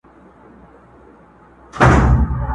ژبور او سترګور دواړه په ګور دي!!